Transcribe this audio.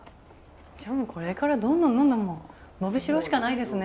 じゃあこれからどんどんどんどん伸び代しかないですね。